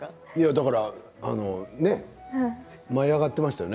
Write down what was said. だから舞い上がっていましたよね